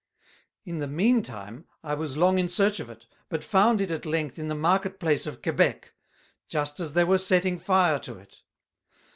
In the mean time I was long in search of it, but found it at length in the Market place of Kebeck (Quebec), just as they were setting Fire to it.